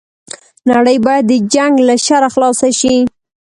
نړۍ بايد د جنګ له شره خلاصه شي